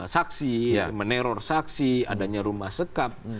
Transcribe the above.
saksi meneror saksi adanya rumah sekap